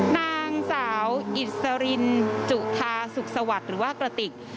นางสาวอิสรินจุธาสุขสวัสดิ์หรือว่ากระติก